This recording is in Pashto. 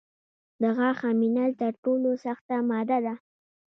د غاښ امینل تر ټولو سخته ماده ده.